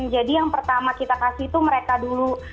jadi yang pertama kita kasih itu mereka dulu